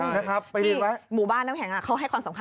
เขาให้ความสำคัญเรื่องนี้มากกว่านะ